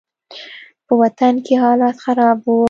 په وطن کښې حالات خراب وو.